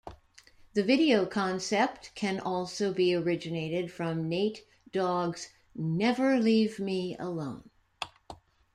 The video concept can also be originated from Nate Dogg's "Never Leave Me Alone".